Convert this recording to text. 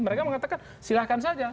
mereka mengatakan silahkan saja